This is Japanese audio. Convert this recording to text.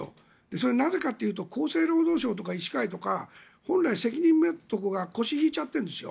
それはなぜかと言ったら厚生労働省とか医師会とか本来、責任を持つところが腰を引いちゃってるんですよ。